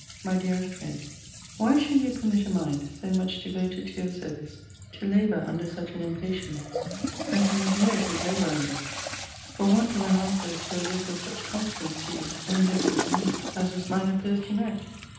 MY DEAREST FRIEND, Why should you permit a mind, so much devoted to your service, to labour under such an impatience as you must know it would labour under, for want of an answer to a letter of such consequence to you, and therefore to me, as was mine of Thursday night?